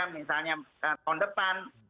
misalnya tahun depan